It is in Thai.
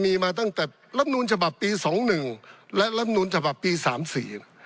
มีมาตั้งแต่รับหนุนฉบับปีสองหนึ่งและรับหนุนฉบับปีสามสี่